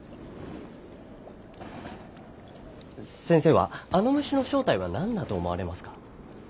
先生はあの虫の正体は何だと思われますか。